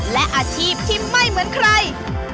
และอาชีพที่ไม่เหมือนใคร